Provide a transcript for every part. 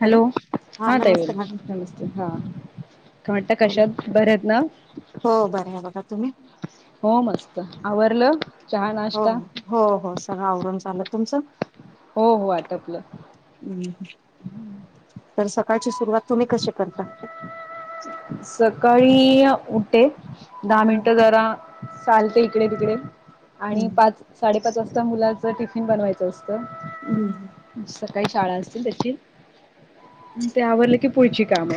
Hello हा ताई नमस्ते मॅडम नमस्ते हा काय म्हणता बोला कशात बर आहेत ना हो बरं आहे बघा तुम्ही हो मस्त आवरल हो हो हो सगळ आवरून झालं. तुमचं? हो हो आटपलं. हम् तर सकाळची सुरुवात तुम्ही कशी करता? सकाळी उठे दहा मिनिट हम्म जरा चालते इकडे तिकडे आणि हम्म पाच साडेपाच वाजता मुलाच टिफिन बनवायचं. तेच तर सकाळी शाळा असते त्याची, ते आवरलं की पुढची काम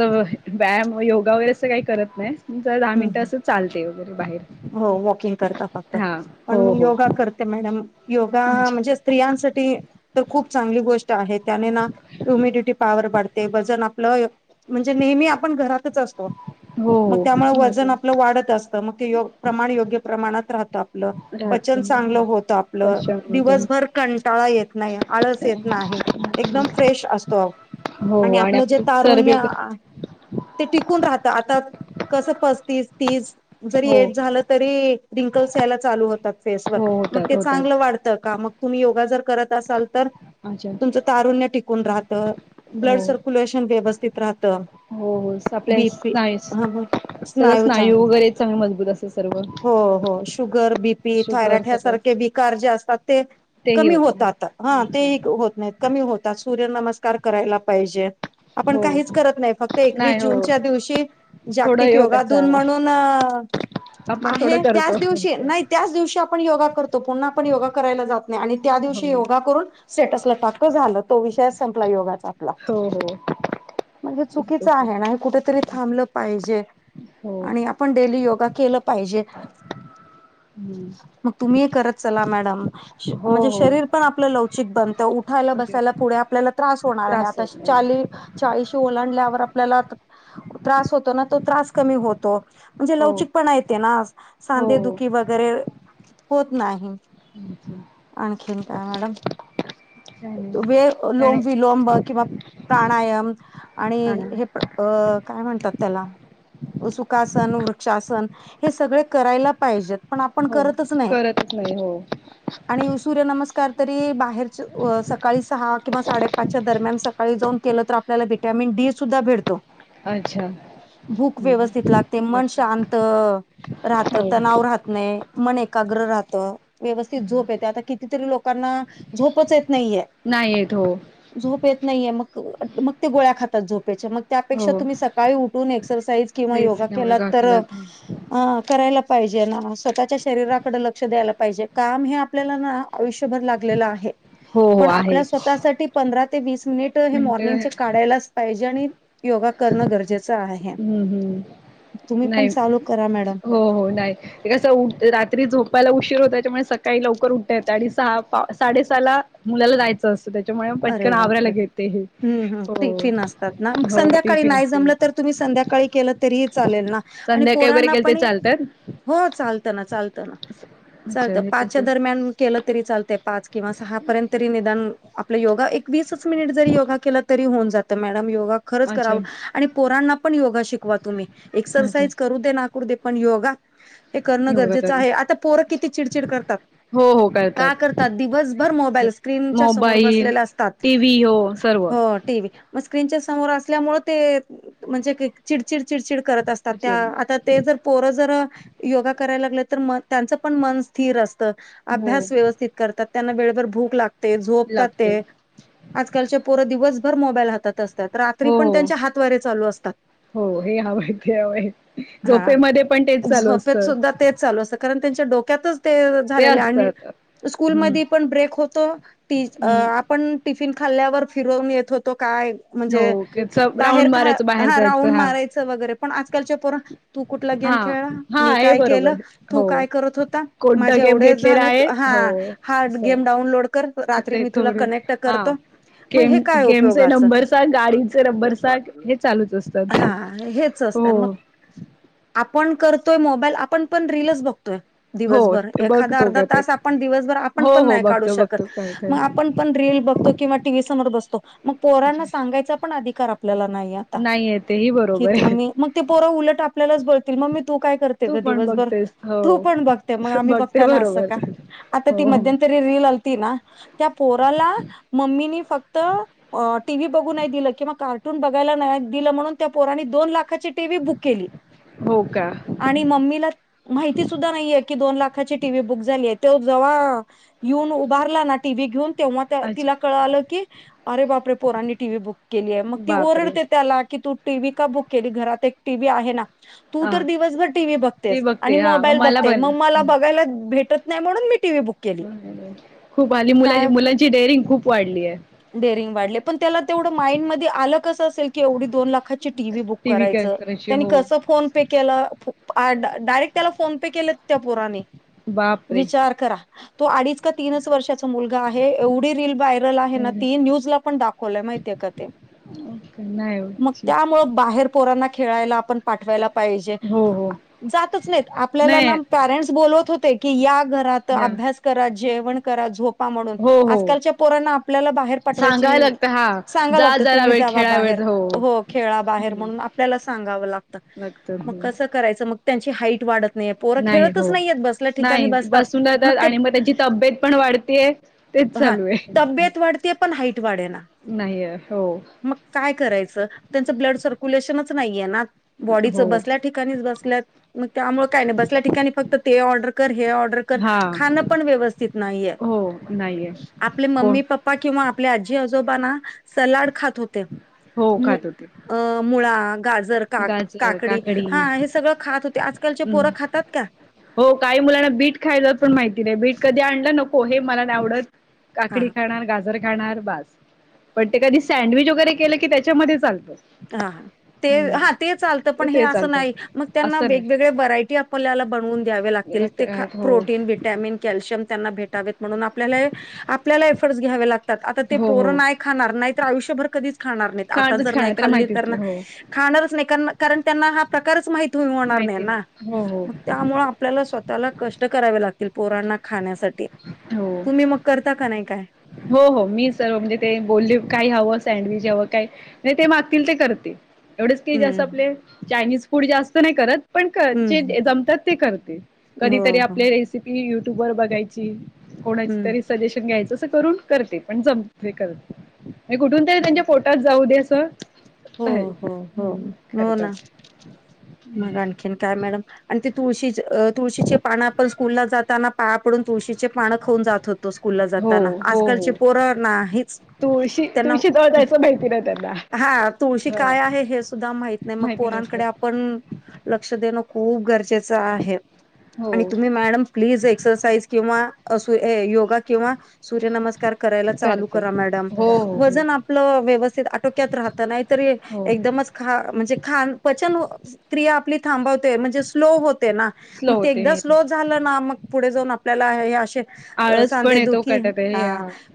अ व्यायाम योगा वगैरे असं काही करत नाही, जरा दहा मिनटं हम्म असं चालते वगैरे बाहेर हो वॉकिंग करता फक्त हा पण हो मी हो योगा करते मॅडम योगा अच्छा म्हणजे स्त्रियांसाठी तर खूप चांगली गोष्ट आहे त्याने ना हुमिडिटी पॉवर वाढते. ते वजन आपलं म्हणजे नेहमी आपण घरातच असतो. हो मग त्यामुळे वजन हो आपलं वाढत असतं मग ते य प्रमाण योग्य प्रमाणात राहत. आपलं पचन राहतो चांगलं होत आपलं कशामधून दिवसभर कंटाळा येत नाही. आळस येत नाही एकदम फ्रेश असतो. हो आणि आपलं जे आपली चरबी तारुण्य वगैरे ते टिकून राहत आता कस पस्तीस तीस जरी हो एज तरीही रिंकल्स यायला चालू होतात फेस हो वर होतात ते चांगलं होतात वाढ का मग तुम्ही योगा जर करत असाल तर अच्छा तुमचं तारुण्य टिकून राहत, हो ब्लड सर्क्युलेशन व्यवस्थित राहत, हो हो आपल्या स्नायस सगळ स्नायू वगैरे चांगले मजबूत असतात सर्व हो हो शुगर, बीपी, शुगर थायरॉइड, सगळं ह्यासारखे विकार जे असतात ते तेही कमी होत होतात हा नाही तेही अच्छा होत नाहीत कमी होतात सूर्य नमस्कार करायला पाहिजे. आपण हो काहीच करत नाही फक्त एकवीस नाही हो जूनच्या दिवशी थोडं जागतिक योगाचा योगादिन म्हणून आपण थोडं आहे करतो त्याच दिवशी नाही. हो त्याच दिवशी आपण योगा करतो, पुन्हा आपण योगा करायला जात नाही आणि त्या दिवशी योगा करून स्टेटसला टाकतो झालं तो विषयच संपला योगाचा आपला हो हो म्हणजे चुकीच तस आहे कुठेतरी थांबलं पाहिजे हो आणि पण डेली योगा केलं पाहिजे. हम्म मग तुम्ही करत चला मॅडम हो म्हणजे शरीर पण आपलं लवचिक बनत उठ ला हो बसायला पुढे आपल्याला त्रास होणार आहे त्रास आता होत नाही चाली चाळीशी ओलांडल्यावर आपल्याला त्रास होतो ना तो त्रास कमी होतो. म्हणजे हो लवचिकपणा येते ना सांधे हो दुखी वगैरे होत नाही. अम्छ आणखीन काय मॅडम काय नाही वे त्याने लोंब विलोब किंवा प्राणायाम आणि आणा हे अ काय म्हणतात त्याला सुखासन वृक्षासन करा पण आपन हो करत चा नाही. करतच नाही हो सूर्यनमस्कार तरी बाहेरच सकाळी सहा किंवा साडेपाचच्या दरम्यान सकाळी जाऊन केलं तर त्याला विटामिन डी सुद्धा भेटतो अच्छा भूक व्यवस्थित लागते, मन लागत शांत राहत, हो तणाव राहत नाही, मन एकाग्र राहत, व्यवस्थित झोप येते. आता कितीतरी लोकांना झोपच येत नाही. नाही येत हो. झोप येत नाहीये, मग मग ते गोळ्या खातात झोपेच्या मग त्यापेक्षा हो तुम्ही सकाळी उठून एक्सरसाईज किंवा योगा केला तर हम् अ करायला पाहिजे ना स्वतःच्या शरीराकडे लक्ष द्यायला पाहिजे काम हे आपल्याला ना आयुष्यभर लागले आहे, हो हो पण आहे आपल्या स्वतःसाठी पंधरा ते वीस मिनिट हे मिनट मॉर्निंग काढायलाच पाहिजे आणि योगा करणं गरजेचं आहे. हम् तुम्ही हम् पण नाही चालू करा मॅडम. हो हो नाही. ते कसं रात्री झोपायला उशीर होता त्याच्यामुळे सकाळी लवकर उठता येतं आणि सहा साडेसहाला मुलाला जायचं असतं त्याच्यामुळे अरे पटकन आवरायला बापरे! घेते हे हम्म हम्म हो टिफिन मग हो संध्याकाळी टिफिन नाही असते जमलं तर, तुम्ही संध्याकाळी केलं तरीही चालेल ना. आणि संध्याकाळी वगैरे पोरांना गेले ते पण ये चालतात हो, चालत ना चालत ना. अच्छा चालत मी तस पाचच्या दरम्यान केलं तरी, चालत पाच किंवा सहा पर्यंत तरी निदान आपल योगा एक वीसच मिनिट जरी योगा केला तरी, होऊन जातं मॅडम योगा खरच अच्छा करावं आणि पोरांना पण योगा शिकवा, तुम्ही अच्छा एक्सरसाईज करू दे ना करू दे पण योगा हे करणं योगा गरजेचं आहे, करतात आता पोरं किती चिडचिड करतात. हो हो का करतात, दिवसभर मोबालईल स्क्रिनच्या समोर मोबाईल बसलेले असतात. टी व्ही हो सर्व टीव्ही मग स्क्रीनच्या समोर असल्यामुळे ते म्हणजे चिडचिड चिडचिड करत असतात त्या आता ते जर पोरं जर योगा करायला लागले तर, त्यांच पण मन स्थिर असतं. हो अभ्यास व्यवस्थित करात, त्यांना वेळभर भूक लागते झोपतात लागते ते. आजकालच्या पोरं दिवसभर मोबाईल हातात असतात, रात्री हो पण हो त्यांच्या हात वारे चालू असतात. हो हे हवयं ते हवयं हा झोपेमध्ये पण तेच चालू झोपेत असतं. सुद्धा तेच चालू असतं. कारण त्यांच्या डोक्यातच ते झालेले आणि असतात स्कूल हम्म मधी पण ब्रेक होतो, टी हम्म आपण टिफिन खाल्ल्यावर फिरवून येत होतो, काय हो म्हणजे बाहेर राऊंड का मारायचं बाहेर हा जायचं राऊंड मारायचं वगैरे पण आजकालच्या पोर ना तू कुठला गेम हा खेळला, हा मी हे काय केलं बरोबर तू हो काय करत होता? कोणता माझे गेम एवढेच घेतलेला झाले आहे हा. हो हा, असं गेम डाउनलोड कर रात्री ते मी तुला थोडं कनेक्ट हा करतो. म हे गेम काय गेमचे उपयोगाचं नंबर सांग गाडीचे नंबर सांग [unintelligible] हे चालूच असतात हा हेच चं हो असतय, मग आपण करतोय मोबाईल आपण पण रीलीचं बघतोय. हो दिवसभर ते एखादा बघतो अर्धा का ते तास आपण दिवसभर आपण हो पण, हो नाही काढू बघतो शकत बघतो काय काय मग आपण पण रील बघतो, किंवा टीव्ही समर बसतो मग पोरांना सांगायचा पण अधिकार आपल्याला नाहीयं. नाहीये तेही बरोबर आहे. ते पोर उलट आपल्याच बोलतील, मम्मी तू काय कर ते तू गं पण दिवसभर बघतेस तू हो पण बघते मग, आम्ही बघते बघताना असं का? बरोबर हो हो ती रील आलती ना, त्या पोराला मम्मीनी फक्त टीव्ही बघू नाही दिलं, किंवा कार्टून बघायला दिलं म्हणून त्या पोरांनी दोन लाख लाखाची टि. व्ही बुक केली. हो का आणि मम्मीला माहिती सुद्धा नाहीये की, दोन लाखाची टी. व्ही बुक झालीय त्यो जवा येऊन उभारला ना, टी. व्ही घेऊन तेव्हा तिला अच्छा कळलं की अरे बापरे! पोरांनी टी. व्ही बुक केलीय मग ती बापरे ओरडते त्याला की तू टी. व्ही का बुक केली, घरात एक टी. व्ही आहे ना. तू हा तर दिवसभर टी. व्ही ती बघतेस, आणि बघते हा मग मोबाईल मला बघतेस पण मग मला बघायला भेटत नाही, म्हणून मी टि. व्ही बुक केली. खूप हल्ली मुलां- मुलांची डेअरिंग खूप वाढली आहे. डेरिंग वाढले पण, त्याला तेवढं माइंड मध्ये आलं कसं असेल की, एवढी दोन लाखाची टी. व्ही बुक कॅ करायचं करायची त्यांनी हो कसं फोन पे केल डायरेक्ट त्याला फोन पे केल, त्या पोराने बापरे विचार करा. तो अडीच का तीनच वर्षाचा मुलगा आहे एवढी रील बाय आहे ना एवढे ती न्यूज ला पण दाखवय माहितीय का ते का नाही मग होत त्यामुळे बाहेर पोरांना खेळायला आपण पाठवायला पाहिजे, हो हो जातच नाहीत आपल्याला ना नाही पॅरेंट्स बोलवत होते की, या घरात या अभ्यास करा जेवण करा झो पा म्हणून हो हो आज कालच्या पोरांना आपल्याला बाहेर पाठवायची सांगायला लागतं हा सांगाय जा लागत, जरा तुम्ही वेळ जावा खेळा बाहेर. वेळ हो, खेळा बाहेर म्हणून आपल्याला सांगाव लागत. लागत करायच मग त्यांची हाट वाढत नाहीये पोरं नाही खेळतच हो नाहीयेत बसल्या ठिकाणी नाही बसतात बसून जातात ते आणि मग त्यांची तब्येत पण वाढतीय तेच चालू आहे ते पण हाईट वाढे ना नाहीय हो मग काय करायचं त्यांचं ब्लड सर्क्युलेशनच नाहीये ना बॉडीच हो बसल्या ठिकाणीच बसल्यात मग त्यामुळे काय नाही बसल्या ठिकाणी फक्त ते ऑर्डर कर हे ऑर्डर कर हा खाणं पण व्यवस्थित नाहीये हो नाहीये आपले कोण मम्मी पप्पा किंवा आपल्या आजी आजोबाांना सलाड खात होत हो मु खात होते गार का काकडी हा हे सगळं खात होते आजकालचे हम् पोरं खातात का हो काही मुलांना बीट खायला पण माहिती नाही बीट कधी आणलं नको हे मला का ख हा पण क सर त्या म चालतो हा हा ते हा ते चालतं पण हे ते असं चालतं नाही मग त्यांना असं वेगवेगळे व्हरायटी आपल्याला बनवून द्यावे लागतील ते नाही हो प्रोटीन व्हटॅमिन कॅल्शियम त्यांना भेटावेत म्हणून आपल्याला आपल्याला एफर्टस घ्यावे लागत आता ते हो हो पोरं नाही खाणार नाही तर आयुष्यभर कधीच खाणार नाही आता खाणारच जर नाही खाणार त्याला खाल्ली माहितीच तर नाही हो खाणारच नाही कार कारण त्यांना हा प्रकारच माहिती होणार नाही माहिती ना हो हो मग त्यामुळे आपल्याला स्वतःला कष्ट करावे लागतील पोरांना खाण्यासाठी हो तुम्ही मग करता का नाही काय हो हो मी सर्व म्हणजे ते बोलले काय हवं सँडविच हवं काय नाही ते मागतील ते करते एवढंच क जा हम्म आपले चायनीज फूड जास्त नाही करत पण जे हम्म जमतात ते करते हो कधीतरी हो आपल्या रेसिपी युट्यूब वर बघायची कोणाची हम्म तरी सजेशन घ्यायचं अस करून करते पण जमते करते कुठून तरी त्यांच्या पोटात जाऊ दे असं हो आहे. हो हो हम्म हो करतात ना मग आणखी काय मॅडम आणि तुळशी तुळशीची पानं आपण स्कूलला जाताना पाया पडून तुळशीचे पाण खाऊन जात होतो स्कूलला जात हो हो आजकालची हो. पोरणा हच तुळशी तुळशी जळ जायचं माहिती ना त्यांना हा हा काय आहे हे सुा माहत नाही म माहिती नसतं. पोरांकडे पण लक्ष देणं खूप गरजेचं आहे आणि हो तुम्ही मॅडम प्लीज एक्सरसाइज किंवा अस योगा किंवा सूर्य नमस्कार करायला चालू करत हो करा मॅडम हो हो वजन आपलं व्यवस्थित आटोक्यात राह नाहीतरी हो. एकदम ख म्हणजे ख पचन क्रिया आपली थांबवते म्हणजे स्लो होते ना स्लो मग ते होते एकदा हे स्लो झालं ना मग पुढे जाऊन आपल्याला असे आळस पण येतो ध्यादुखी कटात हे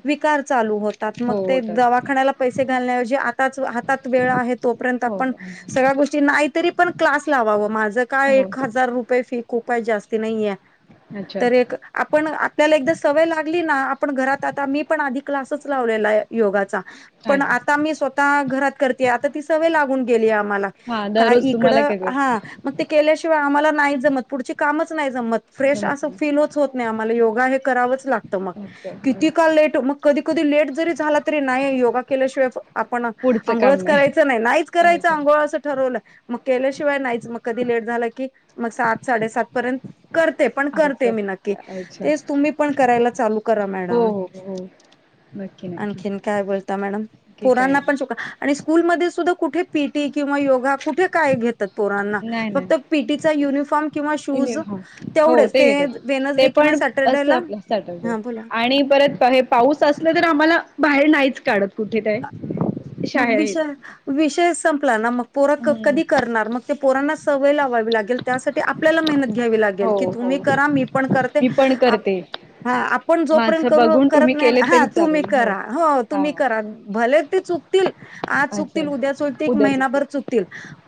विकार चालू होतात मग हो ते होतात दवाखान्याला पैसे घालण्याऐवजी आता हातात वेळ आहे तोपर्यंत हो आपण सगळ्या गोष्टी नाहीतरी पण क्लास लावावं माझं काय हो एक हजार रुपये फी ख जास्ती नाहीये अच्छा तर एक आपण आपल्याला एकदा सवय लागली ना आपण घरात आता मी पण आधी क्लासच लावलेला आहे योगाचा पण अच्छा आता मी स्वतः घरात करते आता ती सवय लागून गेली आहे आम्हाला हा काय दररोज तुम्हाला इकडं काय हा मग ते केल्याशिवाय आम्हाला नाहीच जमत पुढची कामच नाही. जमत फ्रेश जमत असं नाही फीलच होत. नाही आम्हाला योगा हे करावच लागत मग अच्छा किती काल अच्छा लेटग कधी कधी लेट जरी झाला तरी नाही योगा केल्याशिवाय पण पुढचं काम आंघोळच करायचं नाही नाहीच करायचं अच्छा आंघोळ असं ठरवलं मग केल्याशिवाय नाहीच मग कधी लेट झालं की मग सात साडेसात पर्यंत करते पण करते अच्छा मी नक्की अच्छा तेच तुम्ही पण करायला चालू करा हो मॅडम हो हो नक्की नक्की आणखीन काय बोलता मॅडम? की काय पोरांना पण च आणि स्कूलमध्ये सुद्धा कुठे पीटी किंवा योगा कुठे काय घेतं तर पोरांना नाही फक्त नाही पीटीचा युनिफॉर्म किंवा नाही शुज ह हो हो तेवढेंच ते घेतात ते वेन्सडें पण असं आपल्या [unintelligible] आणि परत हे पाऊस असलं तर आम्हाला बाहेर नाहीच काढत कुठे काय मग शाळेत विषय विषय संपला ना मग पोर हम्म कधी करणार मग? पोरांना सवय लावावी लागेल त्यासाठी आपल्याला मेहनत घ्यावी लागेल हो की हो तुम्ही करा मी पण करते. मी पण करते हा आपण जोपर्यंत माझं करू बघून करत तुम्ही केले नाही हा तरी तुम्ही चालेल करा हो हा तुम्ही करा भले ते चुक आज अच्छा चुकतील उद्या चुकतील उद्याच महिनाभर चुकतील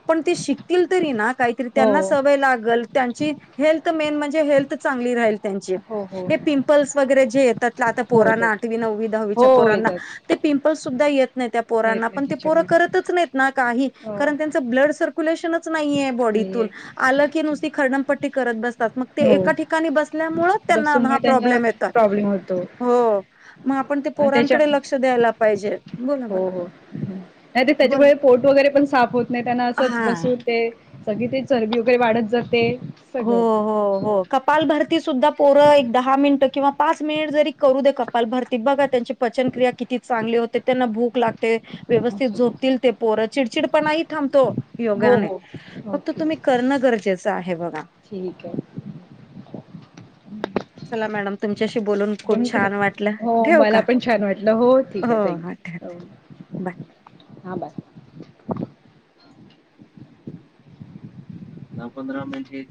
पण ते शिकतील तरी ना? काहीतरी हो त्यांना सवय लागल त्यांची हेल्थ मेन म्हणजे हेल्थ चांगली राहील. त्यांचे हो हो हे पिंपल्स वगैरे जे येतात आता हो पोरांना येतात आठवी नववी दहावीच्या हो पोरांना येतात ते पिंपल्स सुद्धा येत नाही त्या पोरांना येत नाही पण ते पोरं त्याच्यामुळे करतच नाहीत ना काही हो कारण त्या त ब्लड सर्क्युलेशनच नाहीय बॉडीतून नाहीये आलं की नुसती खरडमपट्टी करत बसतात मग ते हो एका ठिकाणी बसल्यामुळेच त्यांना हा बसूमुळे त्यांना प्रॉब्लेम येतात. प्रॉब्लेम होतो. हो मग आपण ते आणि त्याच्या पोरांकडे लक्ष द्यायला पाहिजे. बोला हो बोला हो नाही ते बोला त्याच्यामुळे पोट वगैरे पण साफ होत नाही त्यांना असंच हा बसून ते सगळी ती चरबी वगैरे वाढत जाते. हो हो हो सगळं कपाल भरती सुद्धा पोरं एक दहा मिनिटं किंवा पाच मिनिट जरी करू दे कपाल भरती बघा त्यांची पचनक्रिया किती चांगली होते त्यांना भूक लागते. व्यवस्थित झोपतील ते पोरं चिडचिडपणाही थांबतो. योगा हो हो ने हो फक्त तुम्ही करणं गरजेचं आहे बघा. ठीकय चला मॅडम तुमच्याशी बोलून [unintelligible] खूप पण छान वाटलं हो ठेव का मला पण छान वाटलं हो ठीक आहे हो ठेव थँक्यू हो बाय हा बाय. दहा पंधरा मिनिटे ही